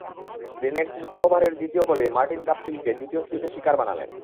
দিনের তৃতীয় ওভারের দ্বিতীয় বলেই মার্টিন গাপটিলকে দ্বিতীয় স্লিপে শিকার বানালেন।